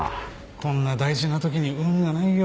こんな大事な時に運がないよ。